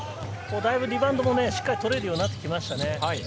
だいぶリバウンドも取れるようになってきましたね。